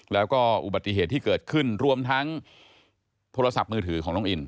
แล้วก็อุบัติเหตุที่เกิดขึ้นรวมทั้งโทรศัพท์มือถือของน้องอิน